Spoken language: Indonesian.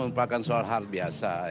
merupakan soal hal biasa